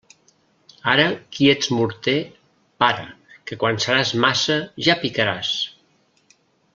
Ara qui ets morter, para; que quan seràs maça ja picaràs.